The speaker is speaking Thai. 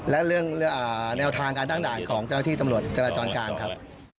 และเรื่องแนวทางการตั้งด่านของเจ้าที่ตำรวจจราจรกลางครับ